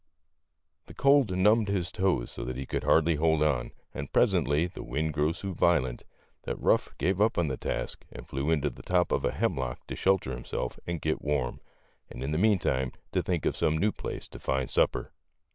The cold numbed his toes so that he could hardly hold on, and presently the wind grew so violent that Ruff gave up the task and flew into the top of a hemlock to shelter himself and get warm, and in the meantime to think of some new place to find supper.